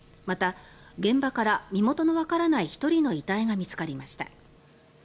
また、現場から身元のわからない１人の遺体が見つかりました。